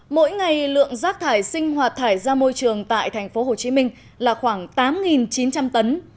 mỗi ngày lượng rác thải sinh hoạt thải ra môi trường tại tp hcm là khoảng tám chín trăm linh tấn